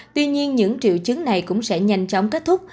tuy nhiên những triệu chứng này cũng sẽ nhanh chóng kết thúc